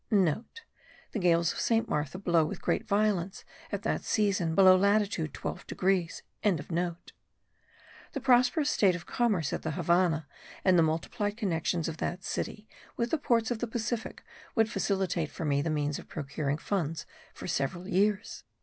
*(* The gales of Saint Martha blow with great violence at that season below latitude 12 degrees.) The prosperous state of commerce at the Havannah and the multiplied connections of that city with the ports of the Pacific would facilitate for me the means of procuring funds for several years.